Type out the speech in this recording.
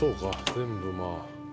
全部まあ。